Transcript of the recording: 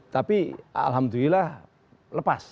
tapi alhamdulillah lepas